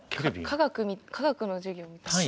科学の授業みたい。